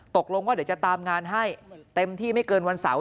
ตกลงว่าเดี๋ยวจะตามงานให้เต็มที่ไม่เกินวันเสาร์